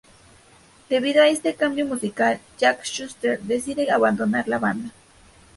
Debido a este cambio musical, Jack Shuster decide abandonar la banda.